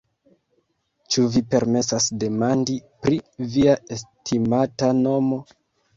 Ĉu vi permesas demandi pri via estimata nomo?